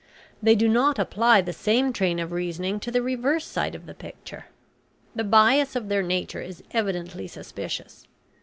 They do not apply the same train of reasoning to the reverse side of the picture; the bias of their nature is evidently suspicious.